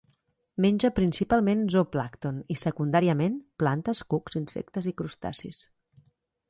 Menja principalment zooplàncton i, secundàriament, plantes, cucs, insectes i crustacis.